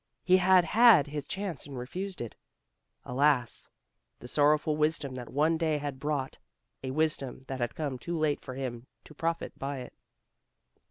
He had had his chance and refused it. Alas! the sorrowful wisdom that one day had brought, a wisdom that had come too late for him to profit by it.